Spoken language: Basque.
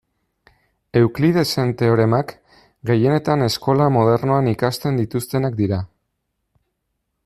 Euklidesen teoremak gehienetan eskola modernoan ikasten dituztenak dira.